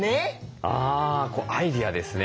あアイデアですね。